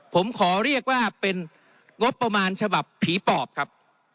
ผมขอเรียกว่าเป็นงบประมาณฉบับผีปอบครับ